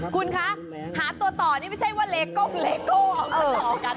คุณคะหาตัวต่อนี่ไม่ใช่ว่าเลโก้งเลโก้เอามาต่อกัน